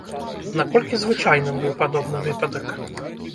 Наколькі звычайным быў падобны выпадак?